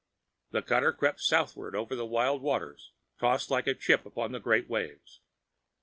The cutter crept southward over the wild waters, tossed like a chip upon the great waves.